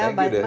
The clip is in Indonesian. thank you des